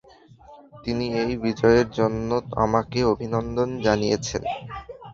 তিনি এই বিজয়ের জন্য আমাকে অভিনন্দন জানিয়েছেন।